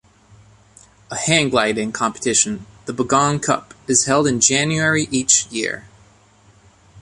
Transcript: A hang gliding competition, the Bogong Cup, is held in January each year.